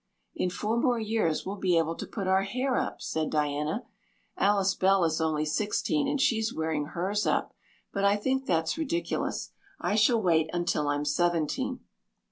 "In four more years we'll be able to put our hair up," said Diana. "Alice Bell is only sixteen and she is wearing hers up, but I think that's ridiculous. I shall wait until I'm seventeen."